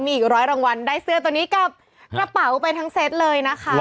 มีอีกร้อยรางวัลได้เสื้อตัวนี้กับกระเป๋าไปทั้งเซตเลยนะคะ